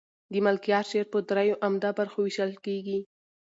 د ملکیار شعر په دریو عمده برخو وېشل کېږي.